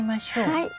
はい。